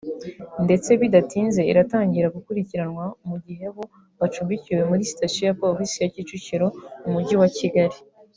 ndetse bidatinze iratangira gukurikiranwa mu gihe bo bacumbikiwe muri sitasiyo ya Polisi ya Kicukiro mu Mujyi wa Kigali